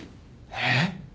えっ？